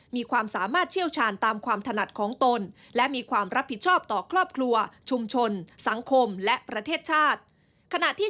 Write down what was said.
มีความสามารถเชี่ยวชาญตามความถนัดของตนและมีความรับผิดชอบต่อครอบครัวชุมชนสังคมและประเทศชาติขณะที่